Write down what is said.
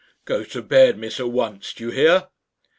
"Go to bed, miss at once, do you hear?"